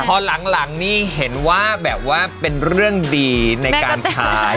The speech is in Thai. พอหลังนี่เห็นว่าแบบว่าเป็นเรื่องดีในการขาย